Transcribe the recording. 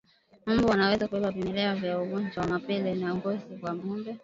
Mbu wanaweza kubeba vimelea vya ugonjwa wa mapele ya ngozi kwa ngombe